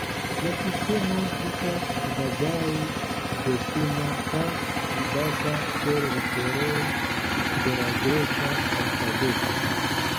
La sistemo estas kvazaŭ-dekuma kaj skribata per literoj de la greka alfabeto.